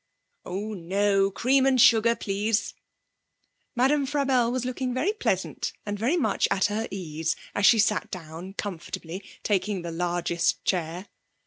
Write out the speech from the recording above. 'Oh no! Cream and sugar, please.' Madame Frabelle was looking very pleasant and very much at her ease as she sat down comfortably, taking the largest chair.